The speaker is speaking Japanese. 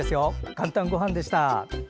「かんたんごはん」でした。